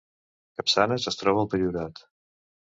Capçanes es troba al Priorat